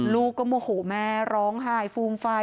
ลูกก็โมโหแม่ร้องไห้ฟูมฟาย